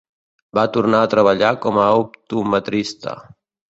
Va tornar a treballar com a optometrista.